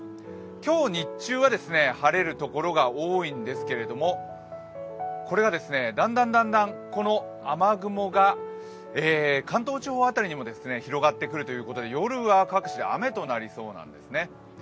今日日中は晴れるところが多いんですけれども、雨雲が関東地方辺りにも広がってくるということで夜は各地で雨となりそうなんですね。